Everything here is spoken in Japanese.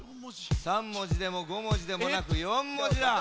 ３文字でも５文字でもなく４文字だ。